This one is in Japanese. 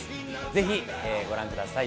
ぜひご覧ください。